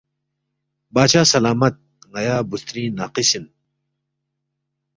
بادشاہ سلامت ن٘یا بُوسترِنگ ناقص اِن